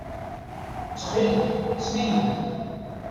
Ttxil-k, sel-iyi-d.